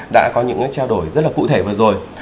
đã có những trao đổi rất là cụ thể vừa rồi